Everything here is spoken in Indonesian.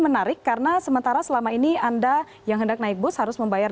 menarik karena sementara selama ini anda yang hendak naik bus harus membayar